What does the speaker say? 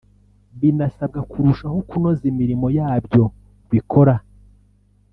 binasabwa kurushaho kunoza imirimo yabyo bikora